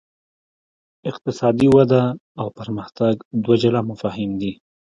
اقتصادي وده او پرمختګ دوه جلا مفاهیم دي.